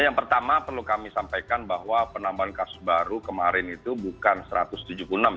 yang pertama perlu kami sampaikan bahwa penambahan kasus baru kemarin itu bukan satu ratus tujuh puluh enam